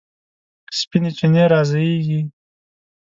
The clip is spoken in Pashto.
سپینې چینې رازیږي